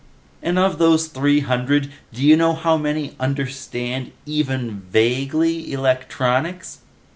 "And of those three hundred, do you know how many understand, even vaguely, Electronics?